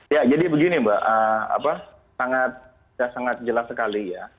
ya jadi begini mbak sangat jelas sekali ya